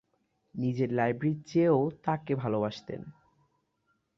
নিজের লাইব্রেরির চেয়েও তাকে ভালোবাসতেন।